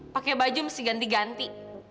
pakai baju mesti ganti ganti